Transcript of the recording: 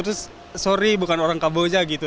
terus sorry bukan orang kamboja gitu